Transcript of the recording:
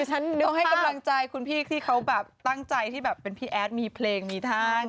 ฉันเดี๋ยวให้กำลังใจคุณพี่ที่เขาแบบตั้งใจที่แบบเป็นพี่แอดมีเพลงมีท่าน